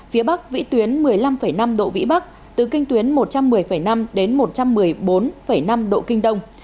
phía bắc vĩ tuyến một mươi năm năm độ vĩ bắc từ kinh tuyến một trăm một mươi năm đến một trăm một mươi bốn năm độ kinh đông